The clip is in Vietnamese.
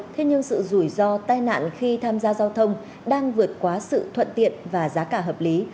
thế nhưng sự rủi ro tai nạn khi tham gia giao thông đang vượt quá sự thuận tiện và giá cả hợp lý